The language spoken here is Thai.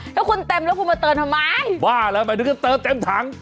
ถ้าคุณเต็มแล้วคุณมาเติมทำไมบ้าแล้วหมายถึงก็เติมเต็มถัง